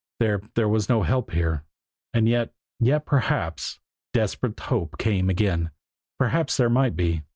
There there was no help here. And yet yet perhaps desperate hope came again perhaps there might be.